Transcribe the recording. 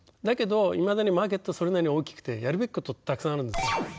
だけどいまだにマーケットはそれなりに大きくてやるべきことってたくさんあるんですよ